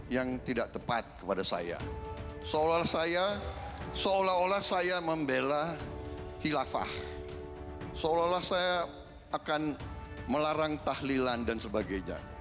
yang tidak tepat kepada saya seolah olah saya seolah olah saya membela khilafah seolah olah saya akan melarang tahlilan dan sebagainya